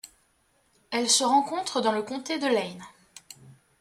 Elle se rencontre dans le comté de Lane.